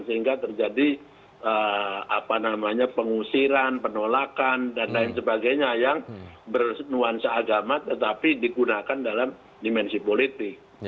sehingga terjadi pengusiran penolakan dan lain sebagainya yang bernuansa agama tetapi digunakan dalam dimensi politik